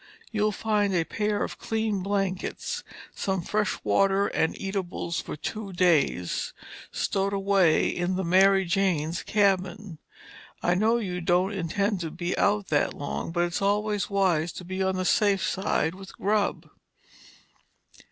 You'll find a pair of clean blankets, some fresh water and eatables for two days stowed in the Mary Jane's cabin. I know you don't intend to be out that long, but it's always wise to be on the safe side with the grub."